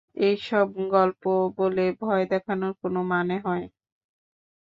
এইসব গল্প বলে ভয় দেখানোর কোনো মানে হয়?